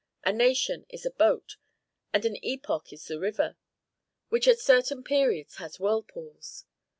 A nation is a boat, and an epoch is the river, which at certain periods has whirlpools.